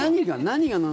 何が？